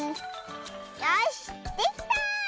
よしできた！